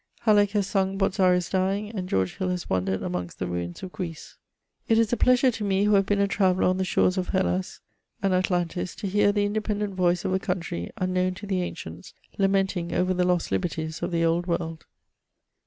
Halleck has sung Botzaris dying, and George Hill has wandered amongst the rains of Greece. It is a pleasure to me who have been a traveller on the shores of Hellas and Atlantis, to hear the independent voice of a country, unknown to the ancients, lamenting over the lost liberties of the Old Worid.